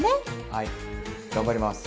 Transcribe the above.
はい頑張ります！